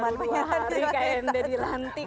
baru dua hari knd dilantik